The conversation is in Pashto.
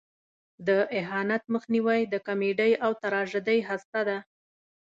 د اهانت مخنیوی د کمیډۍ او تراژیدۍ هسته ده.